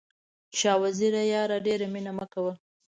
شاه وزیره یاره ډېره مینه مه کوه.